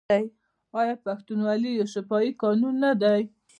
آیا پښتونولي یو شفاهي قانون نه دی؟